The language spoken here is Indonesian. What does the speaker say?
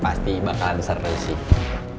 pasti bakal ada serta disini